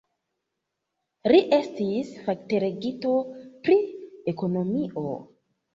Li estis fakdelegito pri ekonomio.